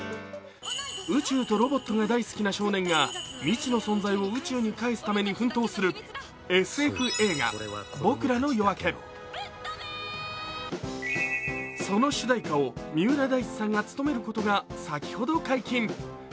宇宙とロボットが大好きな少年が未知の存在を宇宙に帰すため奮闘するＳＦ映画「ぼくらのよあけ」その主題歌を三浦大知さんが務めることが先ほど解禁。